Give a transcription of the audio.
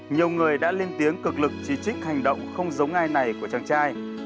nhiều người đã lên tiếng cực lực chỉ trích hành động không giống ai này của chàng trai